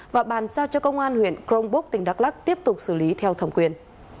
và bàn sao cho công an huyện cronbrook tỉnh đắc lắc tiếp tục xử lý theo thẩm quyền